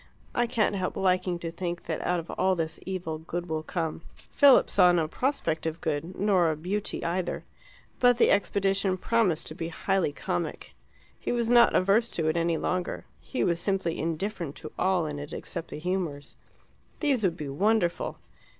I can't help liking to think that out of all this evil good will come." Philip saw no prospect of good, nor of beauty either. But the expedition promised to be highly comic. He was not averse to it any longer; he was simply indifferent to all in it except the humours. These would be wonderful.